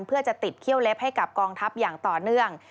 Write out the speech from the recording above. เพื่อจะติดเขี้ยวเล็บให้กับกองทัพอย่างต่อเนื่อง